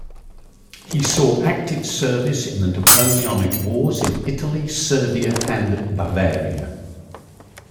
He saw active service in the Napoleonic Wars in Italy, Serbia and Bavaria.